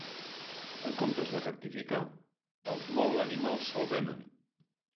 En comptes de rectificar, els molt animals se'l venen.